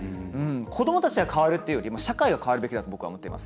子どもたちが変わるっていうよりも社会が変わるべきだと僕は思っています。